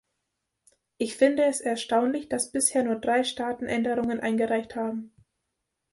Ich finde es erstaunlich, dass bisher nur drei Staaten Änderungen eingereicht haben.